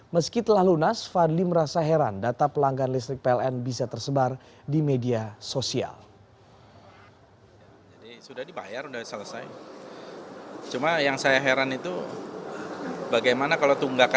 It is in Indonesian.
meski telah lunas fadli merasa heran data pelanggan listrik pln bisa tersebar di media sosial